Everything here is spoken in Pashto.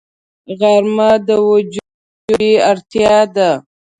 غرمه د وجود طبیعي اړتیا ده